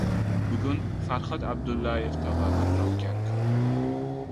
Bugun Farxod Abdullayev tavallud topgan kun